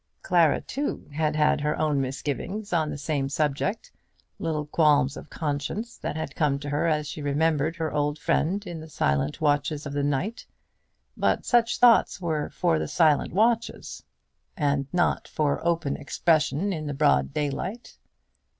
Clara, too, had had her own misgivings on the same subject, little qualms of conscience that had come to her as she remembered her old friend in the silent watches of the night; but such thoughts were for the silent watches, and not for open expression in the broad daylight.